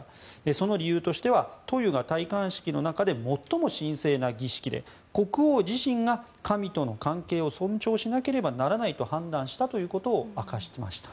その理由としては塗油が戴冠式の中で最も神聖な儀式で国王自身が神との関係を尊重しなければならないと判断したと明かしました。